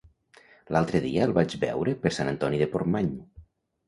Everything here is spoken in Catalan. L'altre dia el vaig veure per Sant Antoni de Portmany.